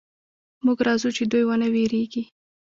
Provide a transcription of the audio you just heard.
موږ راځو چې دوئ ونه وېرېږي.